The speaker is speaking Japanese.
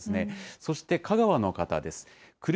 そして香川の方です。